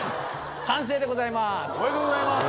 完成でございます。